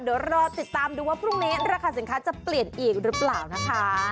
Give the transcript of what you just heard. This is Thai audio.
เดี๋ยวรอติดตามดูว่าพรุ่งนี้ราคาสินค้าจะเปลี่ยนอีกหรือเปล่านะคะ